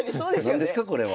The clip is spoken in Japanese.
何ですかこれは。